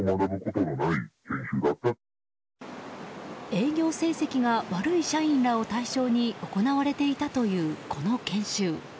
営業成績が悪い社員らを対象に行われていたという、この研修。